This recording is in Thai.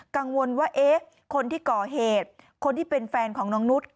กังวลว่าเอ๊ะคนที่ก่อเหตุคนที่เป็นแฟนของน้องนุษย